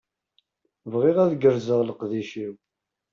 Bɣiɣ ad gerrzeɣ leqdic-iw.